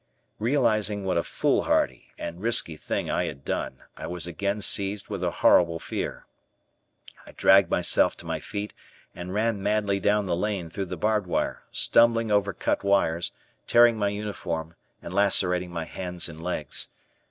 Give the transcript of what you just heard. Realizing what a foolhardy and risky thing I had done, I was again seized with a horrible fear. I dragged myself to my feet and ran madly down the lane through the barbed wire, stumbling over cut wires, tearing my uniform, and lacerating my hands and legs.